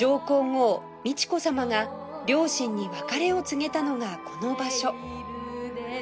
皇后美智子さまが両親に別れを告げたのがこの場所